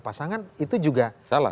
pasangan itu juga